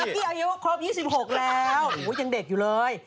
พี่อายุครบ๒๖แล้วยังเด็กอยู่เลย